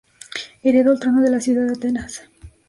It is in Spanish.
Heredó el trono de la ciudad de Atenas.